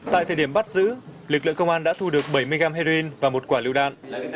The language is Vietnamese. tại thời điểm bắt giữ lực lượng công an đã thu được bảy mươi gram heroin và một quả lựu đạn